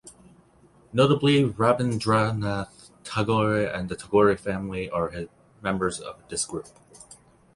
Notably, Rabindranath Tagore and the Tagore family are members of this group.